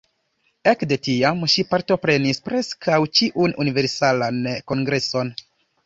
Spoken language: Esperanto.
Ekde tiam ŝi partoprenis preskaŭ ĉiun Universalan Kongreson.